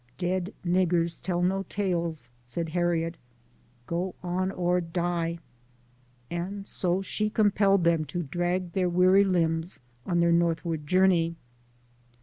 " Dead niggers tell no tales," said Harriet ; "Go on or die;" and so she compelled them to drag their weary limbs on their northward journey.